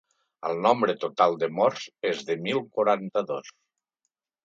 El nombre total de morts és de mil quaranta-dos.